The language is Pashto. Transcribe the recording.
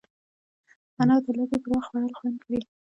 انار د لوږې پر وخت خوړل خوند کوي.